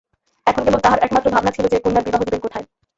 এখন কেবল তাঁহার একমাত্র ভাবনা ছিল যে, কন্যার বিবাহ দিবেন কোথায়।